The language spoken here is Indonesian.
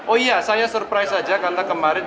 oh iya saya surprise saja karena kemarin